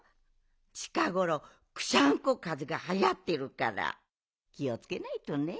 ちかごろクシャンコかぜがはやってるからきをつけないとね。